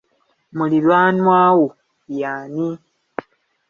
Muliraanwa wo ye ani?